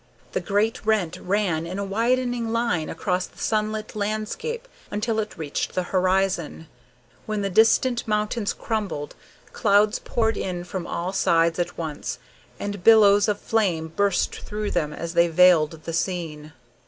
The great rent ran in a widening line across the sunlit landscape until it reached the horizon, when the distant mountains crumbled, clouds poured in from all sides at once, and billows of flame burst through them as they veiled the scene.